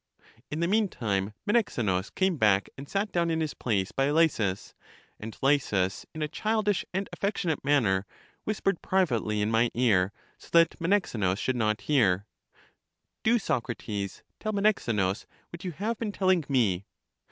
In the meantime Menexenus came back and sat down in his place by Lysis; and Lysis, in a childish and affectionate manner, whispered privately in my ear, so that Menexenus should not hear: Do, Soc rates, tell Menexenus what you have been telling me.